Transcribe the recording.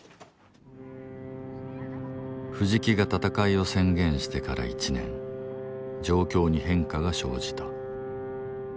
藤木が闘いを宣言してから１年状況に変化が生じた